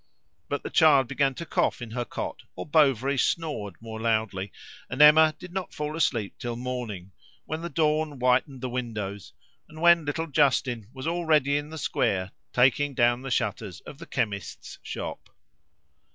But the child began to cough in her cot or Bovary snored more loudly, and Emma did not fall asleep till morning, when the dawn whitened the windows, and when little Justin was already in the square taking down the shutters of the chemist's shop.